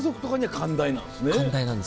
寛大なんですよね。